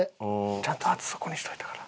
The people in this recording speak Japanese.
ちゃんと厚底にしといたから。